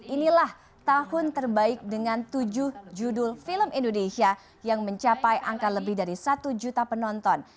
inilah tahun terbaik dengan tujuh judul film indonesia yang mencapai angka lebih dari satu juta penonton